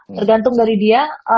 tergantung dari dia